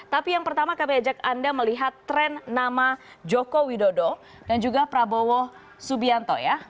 tapi yang pertama kami ajak anda melihat tren nama joko widodo dan juga prabowo subianto ya